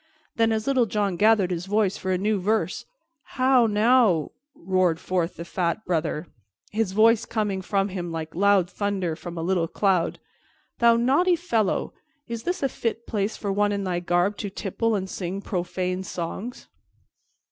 Then, as Little John gathered his breath for a new verse, "How, now," roared forth the fat Brother, his voice coming from him like loud thunder from a little cloud, "thou naughty fellow, is this a fit place for one in thy garb to tipple and sing profane songs?"